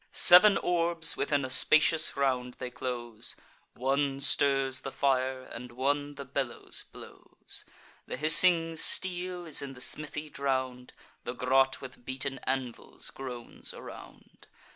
Sev'n orbs within a spacious round they close: One stirs the fire, and one the bellows blows. The hissing steel is in the smithy drown'd; The grot with beaten anvils groans around.